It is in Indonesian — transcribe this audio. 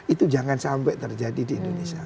itu jangan sampai terjadi di indonesia